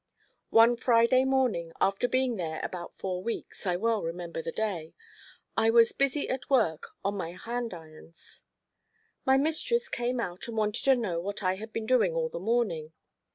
One Friday morning, after being there about four weeks, I well remember the day, I was busy at work on my hand irons. My mistress came out and wanted to know what I had been doing all the morning.